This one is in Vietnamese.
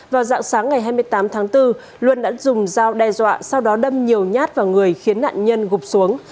vào dạng sáng ngày hai mươi tám tháng bốn luân đã dùng dao đe dọa sau đó đâm nhiều nhát vào người khiến nạn nhân gục xuống